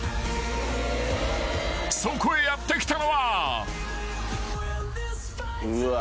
［そこへやって来たのは］うわ